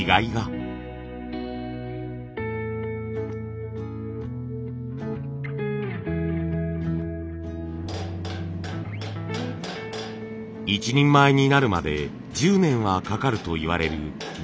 一人前になるまで１０年はかかるといわれる鉈作り。